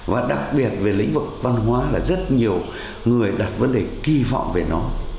và đặc biệt về lĩnh vực văn hóa là rất nhiều người đặt vấn đề kỳ vọng về nó